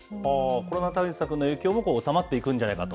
コロナ対策の影響も収まっていくんじゃないかと。